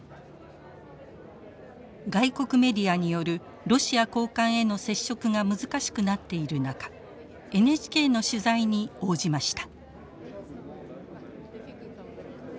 外国メディアによるロシア高官への接触が難しくなっている中ＮＨＫの取材に応じました。